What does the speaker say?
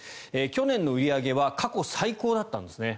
去年の売り上げは過去最高だったんですね。